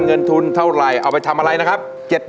เงินทุนเท่าไหร่เอาไปทำอะไรนะครับ